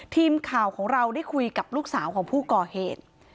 ทีมข่าวของเราได้คุยกับลูกสาวของผู้ก่อเหตุ